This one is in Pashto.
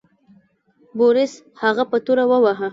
بوریس هغه په توره وواهه.